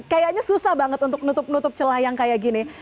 kayaknya susah banget untuk nutup nutup celah yang kayak gini